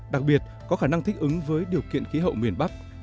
đặc biệt có khả năng thích ứng với điều kiện khí hậu miền bắc